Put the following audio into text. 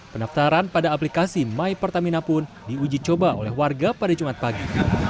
pendaftaran pada aplikasi my pertamina pun diuji coba oleh warga pada jumat pagi